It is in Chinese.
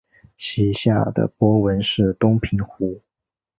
其下的波纹是东平湖。